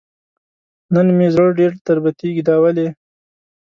نن مې زړه ډېر تربتېږي دا ولې ؟